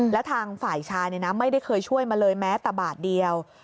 แล้วทางฝ่ายชายไม่ได้เคยช่วยมาเลยแม้แต่บาทเดียว